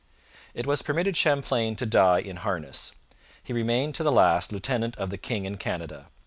It was permitted Champlain to die in harness. He remained to the last lieutenant of the king in Canada.